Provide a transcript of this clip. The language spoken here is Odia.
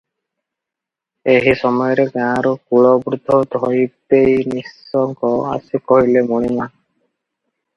ଏହି ସମୟରେ ଗାଁର କୁଳବୃଦ୍ଧ ଧୋବେଇ ନିଶଙ୍କ ଆସି କହିଲେ "ମଣିମା!